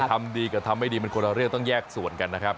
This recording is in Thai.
ทำดีกับทำไม่ดีมันคนละเรื่องต้องแยกส่วนกันนะครับ